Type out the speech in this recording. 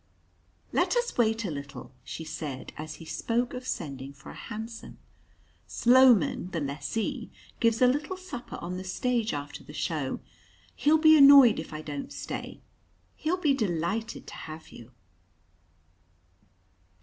"Let us wait a little," she said, as he spoke of sending for a hansom. "Sloman, the lessee, gives a little supper on the stage after the show he'll be annoyed if I don't stay. He'll be delighted to have you."